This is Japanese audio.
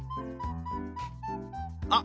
あっ！